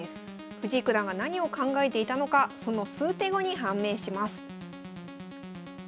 藤井九段が何を考えていたのかその数手後に判明します。